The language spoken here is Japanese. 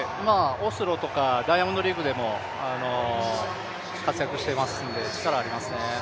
オスロとかダイヤモンドリーグでも活躍していますんで力ありますね。